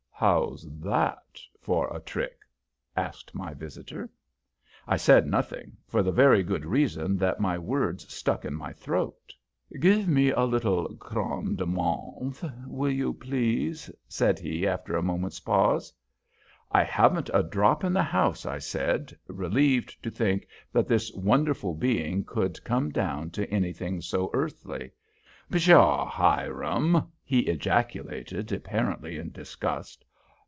"How's that for a trick?" asked my visitor. I said nothing, for the very good reason that my words stuck in my throat. "Give me a little creme de menthe, will you, please?" said he, after a moment's pause. "I haven't a drop in the house," I said, relieved to think that this wonderful being could come down to anything so earthly. "Pshaw, Hiram!" he ejaculated, apparently in disgust.